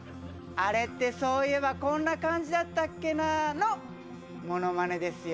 「あれってそういえばこんな感じだったっけな」のモノマネですよ。